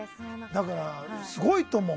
だから、すごいと思う。